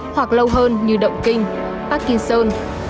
hoặc lâu hơn như động kinh parkinson